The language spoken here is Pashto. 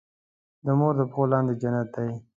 د مور د پښو لاندې جنت دی.